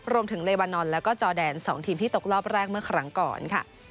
รวมถึงเลวานอนแล้วก็จอแดน๒ทีมที่ตกรอบแรกเมื่อครั้งก่อนค่ะ